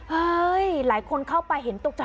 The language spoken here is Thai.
เห้ยหลายคนเข้าไปเห็นตกจะ